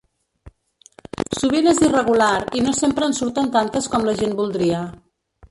Sovint és irregular i no sempre en surten tantes com la gent voldria.